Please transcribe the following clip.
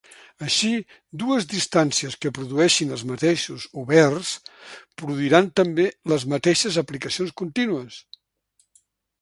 Així, dues distàncies que produeixin els mateixos oberts, produiran també les mateixes aplicacions contínues.